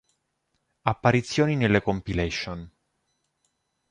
Apparizioni nelle compilation